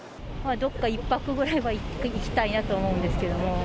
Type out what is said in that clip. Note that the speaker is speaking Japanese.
どこか１泊ぐらいは行きたいなと思うんですけれども。